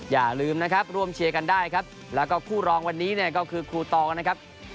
อย่าลืมนะครับร่วมเชียร์กันได้ครับแล้วก็คู่รองวันนี้เนี่ยก็คือครูตองนะครับ